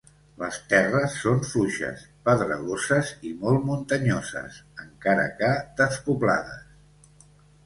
Les terres són fluixes, pedregoses i molt muntanyoses, encara que despoblades.